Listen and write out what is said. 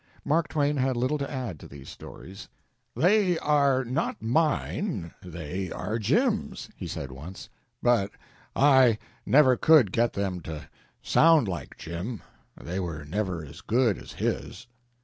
Mark Twain had little to add to these stories. "They are not mine, they are Jim's," he said, once; "but I never could get them to sound like Jim they were never as good as his."